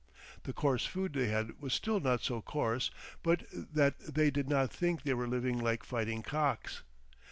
The coarse food they had was still not so coarse but that they did not think they were living "like fighting cocks."